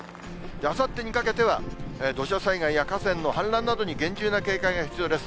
あさってにかけては、土砂災害や河川の氾濫などに厳重な警戒が必要です。